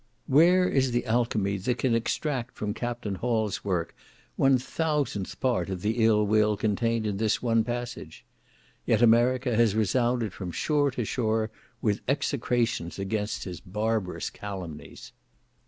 Where is the alchymy that can extract from Captain Hall's work one thousandth part of the ill will contained in this one passage? Yet America has resounded from shore to shore with execrations against his barbarous calumnies.